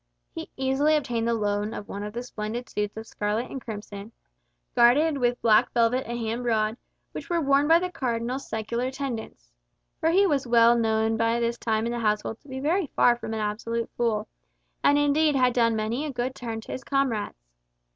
He easily obtained the loan of one of the splendid suits of scarlet and crimson, guarded with black velvet a hand broad, which were worn by the Cardinal's secular attendants—for he was well known by this time in the household to be very far from an absolute fool, and indeed had done many a good turn to his comrades.